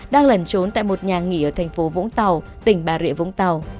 đang lẩn trốn tại một nhà nghỉ ở thành phố vũng tàu tỉnh bà rịa vũng tàu